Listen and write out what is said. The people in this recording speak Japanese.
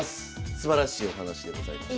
すばらしいお話でございました。